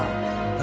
何？